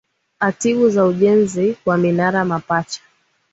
atibu za ujenzi wa minara mapacha